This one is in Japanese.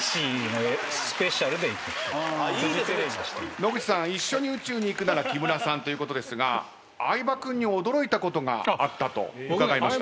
野口さん一緒に宇宙に行くなら木村さんということですが相葉君に驚いたことがあったと伺いました。